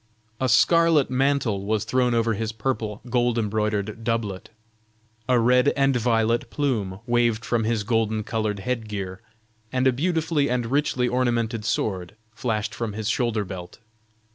A scarlet mantle was thrown over his purple gold embroidered doublet; a red and violet plume waved from his golden colored head gear; and a beautifully and richly ornamented sword flashed from his shoulder belt.